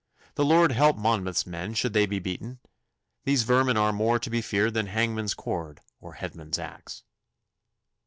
The Lord help Monmouth's men should they be beaten! These vermin are more to be feared than hangman's cord or headsman's axe.